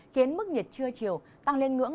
khiến mức nhiệt trưa chiều tăng lên ngưỡng